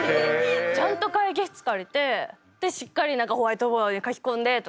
ちゃんと会議室借りてしっかりホワイトボードに書き込んでとか。